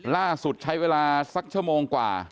ใช้เวลาสักชั่วโมงกว่า